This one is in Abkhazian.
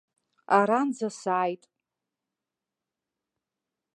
Аранӡа сааит.